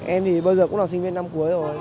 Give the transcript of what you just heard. em thì bao giờ cũng là sinh viên năm cuối rồi